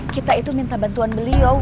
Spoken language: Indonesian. kita itu minta bantuan beliau